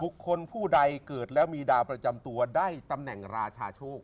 ผู้ใดเกิดแล้วมีดาวประจำตัวได้ตำแหน่งราชาโชค